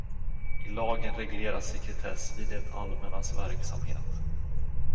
I lagen regleras sekretess i det allmännas verksamhet.